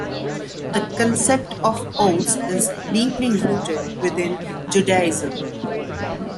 The concept of oaths is deeply rooted within Judaism.